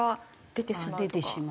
出てしまう。